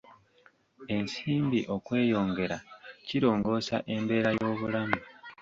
Ensimbi okweyongera kirongoosa embeera y'obulamu.